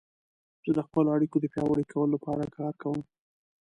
زه د خپلو اړیکو د پیاوړي کولو لپاره کار کوم.